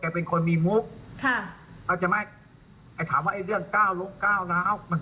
แกเป็นคนตลกหกห้าค่ะตัวอีกคนถึงเป็นคนเอาจริงเอาจัง